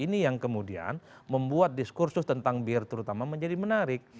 ini yang kemudian membuat diskursus tentang bir terutama menjadi menarik